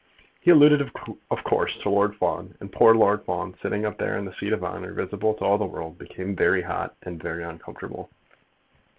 He alluded, of course, to Lord Fawn, and poor Lord Fawn, sitting up there on the seat of honour, visible to all the world, became very hot and very uncomfortable.